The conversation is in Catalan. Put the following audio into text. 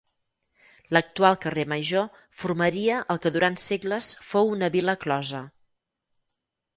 L'actual Carrer Major formaria el que durant segles fou una vila closa.